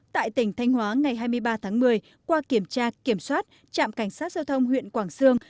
tại tỉnh thanh hóa ngày hai mươi ba tháng một mươi qua kiểm tra kiểm soát trạm cảnh sát giao thông huyện quảng sương